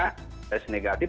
nah tes negatif